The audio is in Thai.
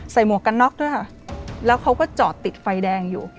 หมวกกันน็อกด้วยค่ะแล้วเขาก็จอดติดไฟแดงอยู่